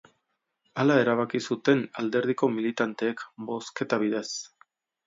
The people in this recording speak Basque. Hala erabaki zuten alderdiko militanteek bozketa bidez.